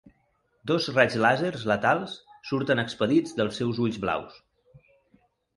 Dos raig làsers letals surten expedits dels seus ulls blaus.